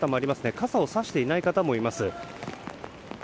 傘をさしていない方もいます。